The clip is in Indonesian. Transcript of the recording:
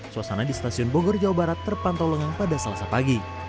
suasana di stasiun bogor jawa barat terpantau lengang pada selasa pagi